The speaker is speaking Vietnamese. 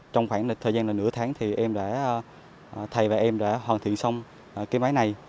trong khoảng thời gian nửa tháng thầy và em đã hoàn thiện xong máy này